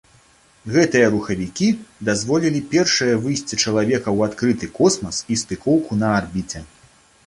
Гэтыя рухавікі дазволілі першае выйсце чалавека ў адкрыты космас і стыкоўку на арбіце.